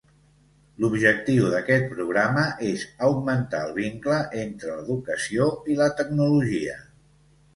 L'objectiu d'aquest programa és augmentar el vincle entre l'educació i la tecnologia.